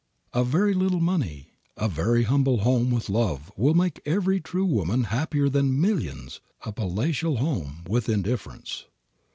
A very little money, a very humble home with love will make every true woman happier than millions, a palatial home, with indifference.